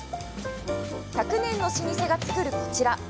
１００年の老舗が作るこちら。